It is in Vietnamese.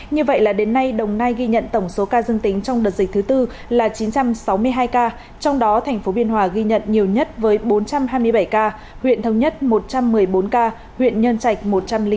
như vậy là đến nay đồng nai ghi nhận tổng số ca dương tính trong đợt dịch thứ tư là chín trăm sáu mươi hai ca trong đó thành phố biên hòa ghi nhận nhiều nhất với bốn trăm hai mươi bảy ca huyện thống nhất một trăm một mươi bốn ca huyện nhân trạch một trăm linh bốn ca